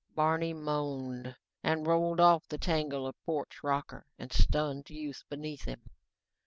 Barney moaned and rolled off the tangle of porch rocker and stunned youth beneath him.